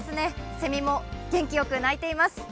せみも元気よく鳴いています。